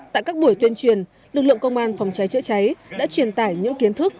tại các buổi tuyên truyền lực lượng công an phòng cháy chữa cháy đã truyền tải những kiến thức